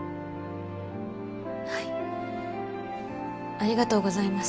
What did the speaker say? ありがとうございます。